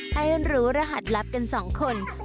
ให้ฮันรู้รหัตรรับกันสองคน